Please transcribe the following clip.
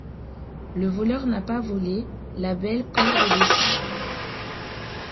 Le voleur n’a pas volé La belle corde de chanvre.